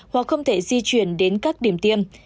hoặc không thể di chuyển đến các điểm tiêm